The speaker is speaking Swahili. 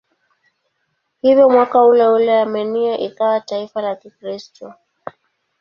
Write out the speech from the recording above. Hivyo mwaka uleule Armenia ikawa taifa la Kikristo.